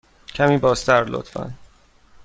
کمی بازتر، لطفاً.